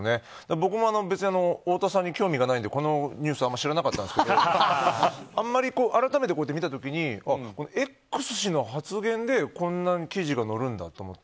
僕も、太田さんに興味がないのでこのニュースあまり知らなかったんですけど改めて見たときにＸ氏の発言でこんな記事が載るんだと思って。